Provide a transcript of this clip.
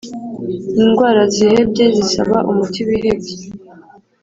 indwara zihebye zisaba umuti wihebye